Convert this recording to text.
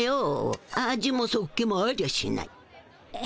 味もそっけもありゃしない。